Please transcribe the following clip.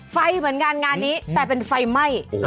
ไฟเหมือนกันงานนี้แต่เป็นไฟไหม้